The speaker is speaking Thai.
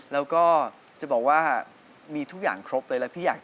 แล้วก็จะบอกว่ามีทุกอย่างครบเลย